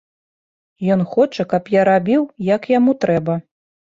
Ён хоча, каб я рабіў, як яму трэба.